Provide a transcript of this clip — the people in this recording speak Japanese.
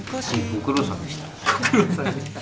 ご苦労さんでした。